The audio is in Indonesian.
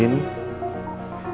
karena saya memohon